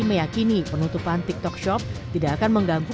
meyakini penutupan tiktok shop tidak akan mengganggu